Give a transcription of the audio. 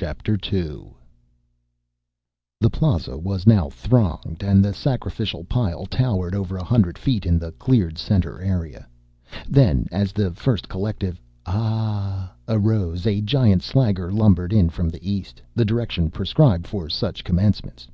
II The Plaza was now thronged and the sacrificial pile towered over a hundred feet in the cleared center area. Then, as the first collective Ah! arose, a giant slagger lumbered in from the east, the direction prescribed for such commencements.